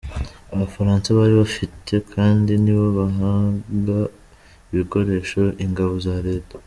Abafaransa bari babifite, kandi ni bo bahaga ibikoresho ingabo za leta.